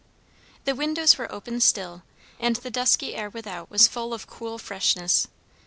The windows were open still, and the dusky air without was full of cool freshness.